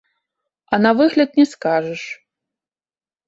А на выгляд не скажаш.